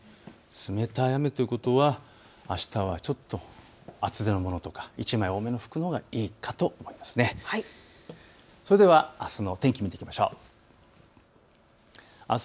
冷たい雨ということはあしたは厚手のものとか１枚多めの服のほうがいいかと思います。